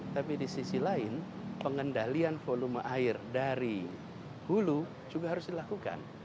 tapi di sisi lain pengendalian volume air dari hulu juga harus dilakukan